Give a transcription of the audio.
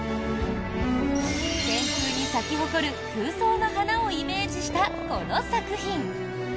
天空に咲き誇る空想の花をイメージした、この作品。